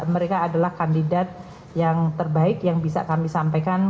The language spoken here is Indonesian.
mereka adalah kandidat yang terbaik yang bisa kami sampaikan